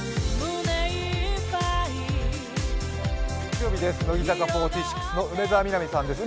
月曜日です、乃木坂４６の梅澤美波さんです。